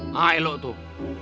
nah elok tuh